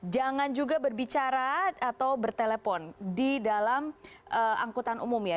jangan juga berbicara atau bertelepon di dalam angkutan umum ya